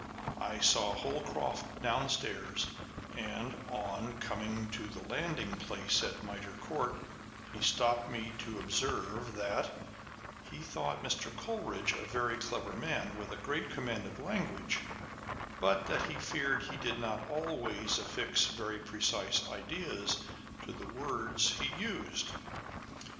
I saw Holcroft downstairs, and, on coming to the landing place at Mitre Court, he stopped me to observe, that " he thought Mr. Coleridge a very clever man, with a great command of language, but that he feared he did not always affix very precise ideas to the words he used."